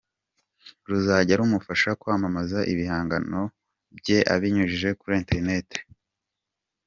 com, ruzajya rumufasha kwamamaza ibihangano bye abinyujije kuri Internet.